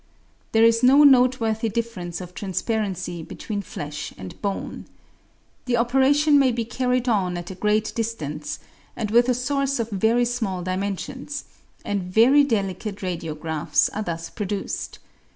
There is no note worthy difference of transparency between flesh and bone. The operation may be carried on at a great distance and with a source of very small dimensions ; and very delicate radiographs are thus produced.